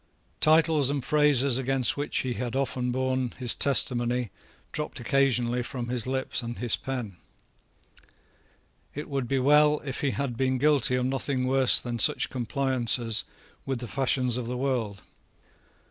Titles and phrases against which he had often borne his testimony dropped occasionally from his lips and his pen. It would be well if he had been guilty of nothing worse than such compliances with the fashions of the world.